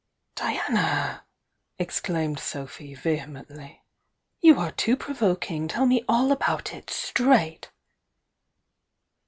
"Diana!" exclaimed Sophy, vehemently. "You are too provoking! Tell me all about it! — ^straight!"